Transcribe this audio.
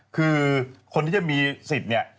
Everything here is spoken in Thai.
คือคุณที่จะมีสิทธิ์